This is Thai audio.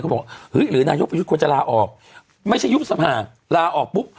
บอกเฮ้ยหรือนายกประยุทธ์ควรจะลาออกไม่ใช่ยุบสภาลาออกปุ๊บ